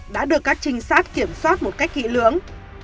đã được các trinh sát kiểm soát một cách kỹ lưỡng